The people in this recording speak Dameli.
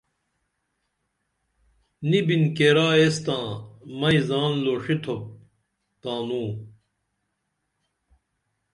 نی بِن کیرا ایس تاں مئی زان لوݜی تُھوپ تانوں